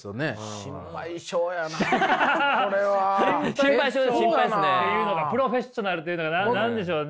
心配性っていうのかプロフェッショナルっていうのか何でしょうね？